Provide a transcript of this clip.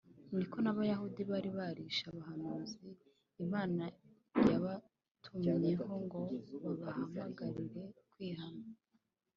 ni ko n’abayahudi bari barishe abahanuzi imana yabatumyeho ngo babahamagarire kwihana